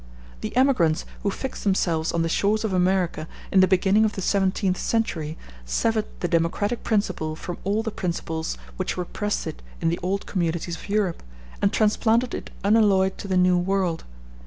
The emigrants who fixed themselves on the shores of America in the beginning of the seventeenth century severed the democratic principle from all the principles which repressed it in the old communities of Europe, and transplanted it unalloyed to the New World.